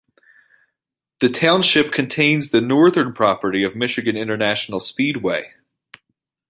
The township contains the northern property of Michigan International Speedway.